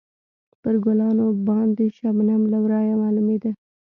پر ګلانو باندې شبنم له ورایه معلومېده.